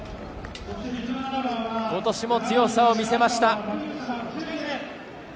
ことしも強さを見せました。